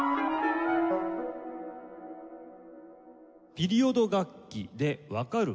ピリオド楽器でわかる！